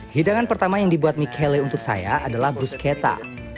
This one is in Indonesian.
hidangan pertama yang dibuat michele untuk saya adalah bruschetta